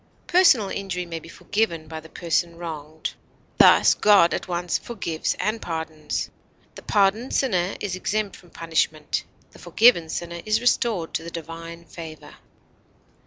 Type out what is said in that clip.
Personal injury may be forgiven by the person wronged; thus, God at once forgives and pardons; the pardoned sinner is exempt from punishment; the forgiven sinner is restored to the divine favor.